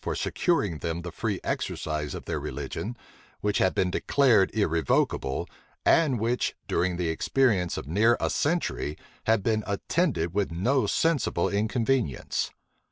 for securing them the free exercise of their religion; which had been declared irrevocable; and which, during the experience of near a century, had been attended with no sensible inconvenience.